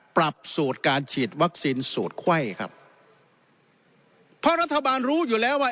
ปรับสูตรการฉีดวัคซีนสูตรไข้ครับเพราะรัฐบาลรู้อยู่แล้วว่า